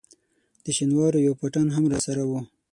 د شینوارو یو پټان هم راسره وو.